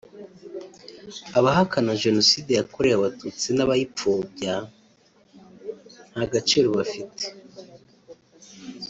abahakana Jenoside yakorewe abatutsi n’abayipfobya nta gaciro bafite